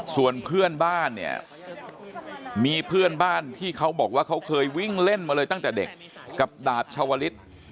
ส่วนเพื่อนบ้านเนี่ยมีเพื่อนบ้านที่เขาบอกว่าเขาเคยวิ่งเล่นมาเลยตั้งแต่เด็กกับดาบชาวลิศ